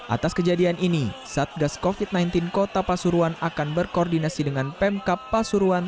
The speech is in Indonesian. atas kejadian ini satgas covid sembilan belas kota pasuruan akan berkoordinasi dengan pemkap pasuruan